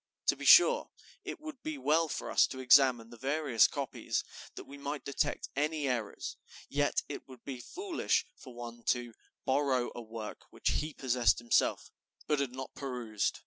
To be sure, it would be well for us to examine the various copies, that we might detect any errors; yet it would be foolish for one to borrow a work which he possessed himself, but had not perused."